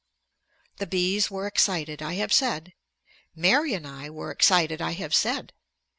The bees were excited, I have said. Mary and I were excited, I have said.